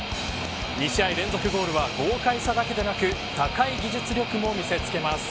２試合連続ゴールは豪快さだけでなく高い技術力も見せつけます。